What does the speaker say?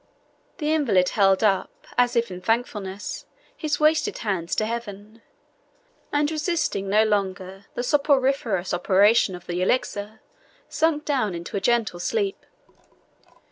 The invalid held up, as if in thankfulness, his wasted hands to Heaven, and resisting no longer the soporiferous operation of the elixir, sunk down in a gentle sleep.